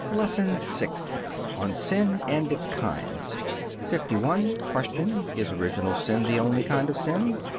LESSON SIXTH ON SIN AND ITS KINDS 51. Q. Is original sin the only kind of sin?